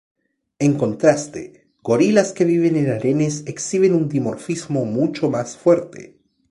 En contraste, gorilas que viven en harenes exhiben un dimorfismo mucho más fuerte.